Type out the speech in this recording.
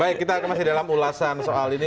baik kita masih dalam ulasan soal ini